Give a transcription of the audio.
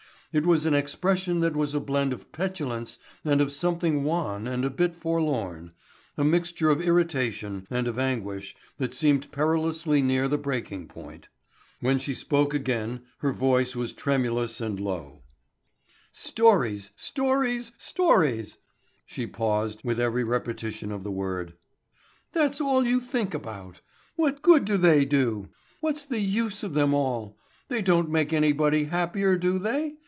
It was an expression that was a blend of petulance and of something wan and a bit forlorn, a mixture of irritation and of anguish that seemed perilously near the breaking point. When she spoke again her voice was tremulous and low. "Stories, stories, stories,"—she paused with every repetition of the word—"that's all you think about. What good do they do? What's the use of them all? They don't make anybody happier, do they?